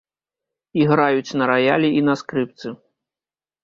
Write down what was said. Іграюць на раялі і на скрыпцы.